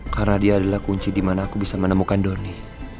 karena dia adalah kunci dimana aku bisa menemukan doni